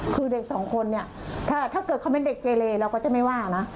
คือเด็กสองคนเนี่ยถ้าเกิดเขาเป็นเด็กเกเลเราก็จะไม่ว่านะ